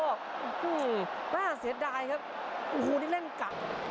อือหือน่าเสียดายครับโหนี่เล่นขัน